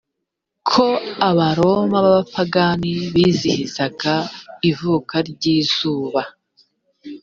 ko abaroma b abapagani bizihizaga ivuka ry izuba